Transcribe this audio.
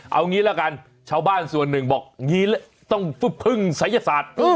เอางี้ละกันชาวบ้านส่วนหนึ่งบอกอย่างนี้ต้องพึ่งศัยศาสตร์